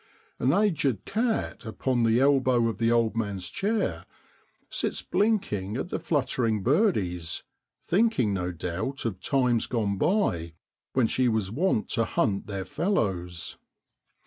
An aged cat upon the elbow of the old man's chair sits blinking at the fluttering birdies, thinking no doubt of times gone by when she was wont to hunt their fellows.